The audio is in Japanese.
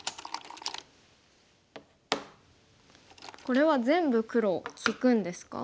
これは全部黒利くんですか？